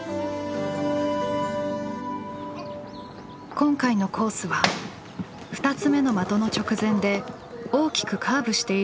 今回のコースは２つ目の的の直前で大きくカーブしているのが特徴です。